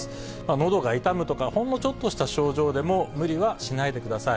のどが痛むとか、ほんのちょっとした症状でも無理はしないでください。